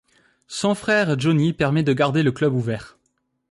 Son frère Johnie permet de garder le club ouvert.